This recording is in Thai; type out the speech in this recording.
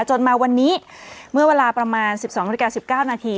จนมาวันนี้เมื่อเวลาประมาณ๑๒นาฬิกา๑๙นาที